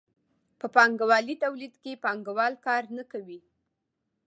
په پانګوالي تولید کې پانګوال کار نه کوي.